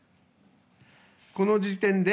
この時点で、